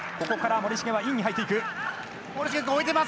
ここから森重はインに入っていく。